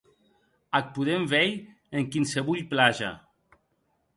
Ac podem veir en quinsevolh plaja.